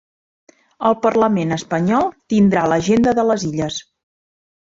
El Parlament Espanyol tindrà l'agenda de les Illes